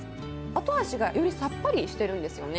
後味がよりさっぱりしてるんですよね。